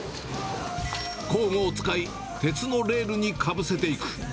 工具を使い、鉄のレールにかぶせていく。